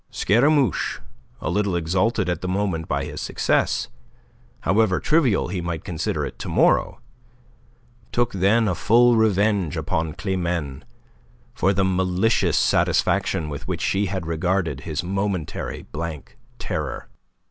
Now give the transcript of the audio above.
Scaramouche, a little exalted at the moment by his success, however trivial he might consider it to morrow, took then a full revenge upon Climene for the malicious satisfaction with which she had regarded his momentary blank terror.